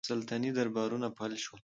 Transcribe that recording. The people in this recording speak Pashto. سلطنتي دربارونه فلج شول.